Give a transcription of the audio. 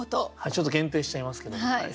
ちょっと限定しちゃいますけど。